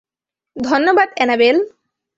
ধন্যবাদ, অ্যানাবেল।